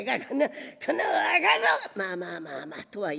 まあまあまあまあとはいうもんのな